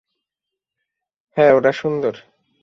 হ্যাঁ, ওরা সুন্দর।